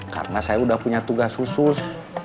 karena saya udah punya tugas khusus